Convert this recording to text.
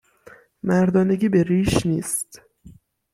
مردانگی به ریش نیست